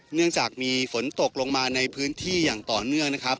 เนื่องจากมีฝนตกลงมาในพื้นที่อย่างต่อเนื่องนะครับ